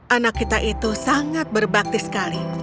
anak kita itu sangat berbakti sekali